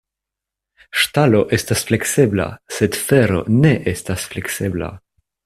Ŝtalo estas fleksebla, sed fero ne estas fleksebla.